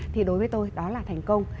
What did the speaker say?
thì đối với tôi đó là thành công